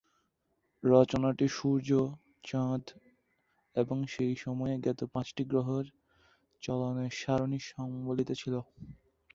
রচনাটি সূর্য, চাঁদ এবং সেই সময়ে জ্ঞাত পাঁচটি গ্রহের চলনের সারণী সংবলিত ছিল।